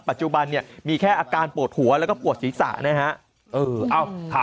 ปัจจุบันเนี่ยมีแค่อาการปวดหัวแล้วก็ปวดศีรษะนะฮะ